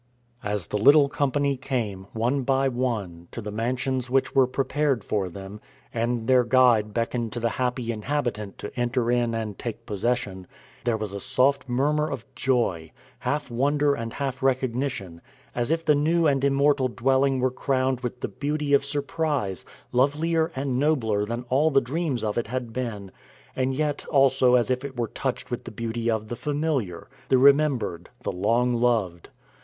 As the little company came, one by one, to the mansions which were prepared for them, and their Guide beckoned to the happy inhabitant to enter in and take possession, there was a soft murmur of joy, half wonder and half recognition; as if the new and immortal dwelling were crowned with the beauty of surprise, lovelier and nobler than all the dreams of it had been; and yet also as if it were touched with the beauty of the familiar, the remembered, the long loved.